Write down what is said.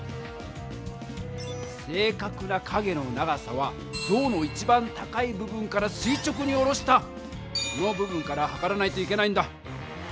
正かくな影の長さはぞうの一番高い部分からすい直に下ろしたこの部分からはからないといけないんだ。